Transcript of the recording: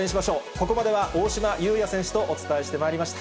ここまでは大島祐哉選手とお伝えしてまいりました。